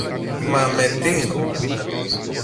Μα με τι;